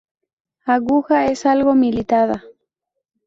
Aguja es algo limitada.